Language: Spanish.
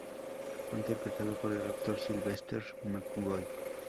Fue interpretado por el actor Sylvester McCoy.